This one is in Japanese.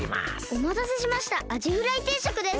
おまたせしましたアジフライ定食です。